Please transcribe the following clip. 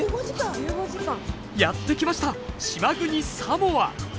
やって来ました島国サモア。